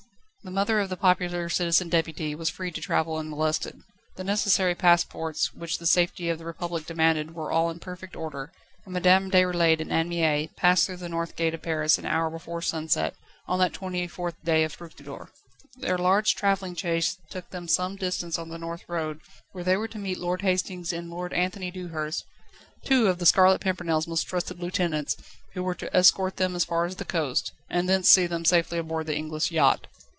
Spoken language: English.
The mother of the popular Citizen Deputy was free to travel unmolested. The necessary passports which the safety of the Republic demanded were all in perfect order, and Madame Déroulède and Anne Mie passed through the north gate of Paris an hour before sunset, on that 24th day of Fructidor. Their large travelling chaise took them some distance on the North Road, where they were to meet Lord Hastings and Lord Anthony Dewhurst, two of The Scarlet Pimpernel's most trusted lieutenants, who were to escort them as far as the coast, and thence see them safely aboard the English yacht.